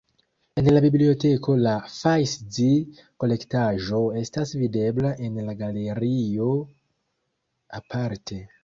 En la biblioteko la Fajszi-kolektaĵo estas videbla en la galerio aparte.